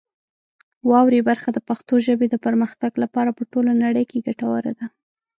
واورئ برخه د پښتو ژبې د پرمختګ لپاره په ټوله نړۍ کې ګټوره ده.